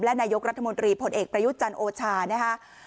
และนายกรัฐมนตรีผลเอกประยุจรรย์โอชานะคะ